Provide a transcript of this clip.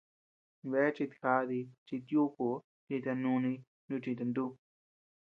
Bea chita jadi, chita yukuu, chita núni, chita ntú.